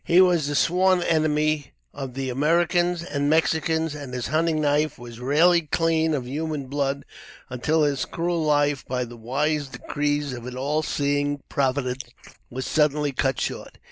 He was the sworn enemy of the Americans and Mexicans, and his hunting knife was rarely clean of human blood, until his cruel life, by the wise decrees of an all seeing Providence, was suddenly cut short.